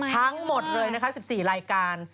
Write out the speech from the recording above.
ทั้งหมดเลยนะคะ๑๔รายการ